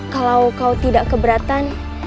kalau kau tidak keberatan